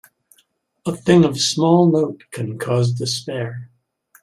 A thing of small note can cause despair.